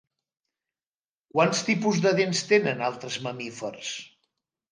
Quants tipus de dents tenen altres mamífers?